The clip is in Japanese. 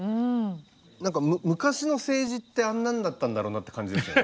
昔の政治ってあんなんだったんだろうなって感じですよね。